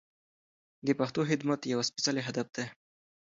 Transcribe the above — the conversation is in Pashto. د پښتو خدمت یو سپېڅلی هدف دی.